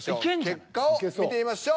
結果を見てみましょう。